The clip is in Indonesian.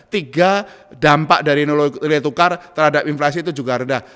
tiga dampak dari nilai tukar terhadap inflasi itu juga rendah